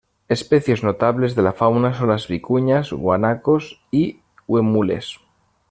Especies notables de la fauna son las vicuñas, guanacos y huemules.